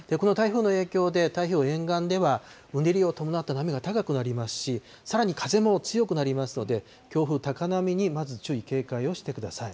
この台風の影響で、太平洋沿岸ではうねりを伴った波が高くなりますし、さらに風も強くなりますので、強風、高波にまず注意警戒をしてください。